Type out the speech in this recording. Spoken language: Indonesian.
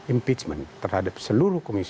impeachment terhadap seluruh komisi